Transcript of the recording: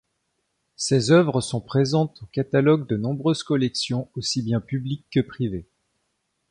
Ses œuvres sont présentes au catalogue de nombreuses collections aussi bien publiques que privées.